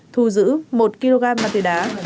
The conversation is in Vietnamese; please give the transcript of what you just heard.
thu giữ một kg mặt tư đá